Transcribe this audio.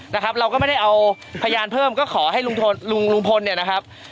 นะครับเราก็ไม่ได้เอาพยานเพิ่มก็ขอให้ลุงพลลุงลุงพลเนี่ยนะครับ